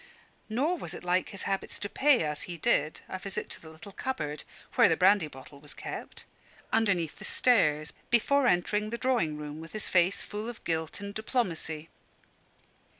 Nor was it like his habits to pay, as he did, a visit to the little cupboard (where the brandy bottle was kept) underneath the stairs, before entering the drawing room, with his face full of guilt and diplomacy.